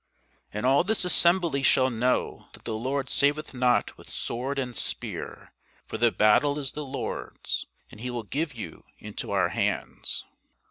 And all this assembly shall know that the Lord saveth not with sword and spear: for the battle is the Lord's and He will give you into our hands.